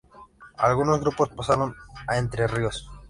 Algunos grupos pasaron a Entre Ríos.